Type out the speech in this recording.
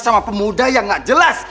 sama pemuda yang nggak jelas